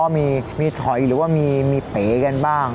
มีถอยหรือว่ามีเป๋กันบ้าง